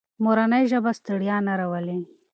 مورنۍ ژبه ستړیا نه راولي.